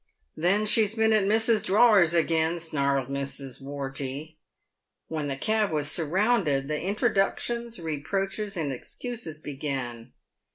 " Then she's been at missus's drawers again," snarled Mrs. "Wortey. "When the cab was surrounded, the introductions, reproaches, and excuses began.